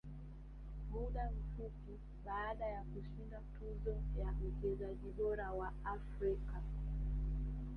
Muda mfupi baada ya kushinda tuzo ya mchezaji bora wa Afrika